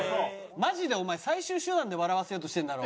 マジでお前最終手段で笑わせようとしてるんだろ？